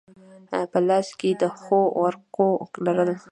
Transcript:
په لاس کې د ښو ورقو لرل.